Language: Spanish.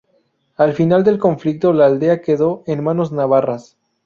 Al final del conflicto la aldea quedó en manos navarras.